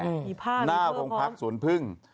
อีภาพนี่เพื่อความหน้าวงพักสวนพึ่ง